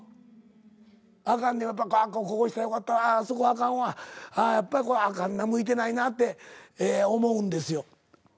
こここうしたらよかったあそこあかんわやっぱりあかんな向いてないなって思うんですよ。